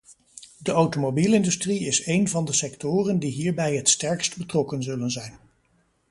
De automobielindustrie is één van de sectoren die hierbij het sterkst betrokken zullen zijn.